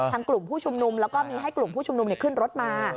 กลุ่มผู้ชุมนุมแล้วก็มีให้กลุ่มผู้ชุมนุมขึ้นรถมา